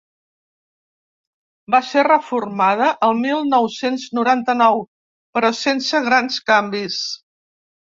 Va ser reformada el mil nou-cents noranta-nou però sense grans canvis.